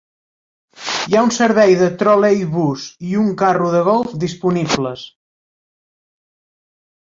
Hi ha un servei de troleibús i un carro de golf disponible.